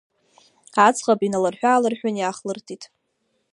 Аӡӷаб иналырҳәыаалырҳәын, иаахлыртит.